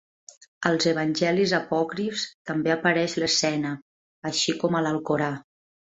Als evangelis apòcrifs també apareix l'escena, així com a l'Alcorà.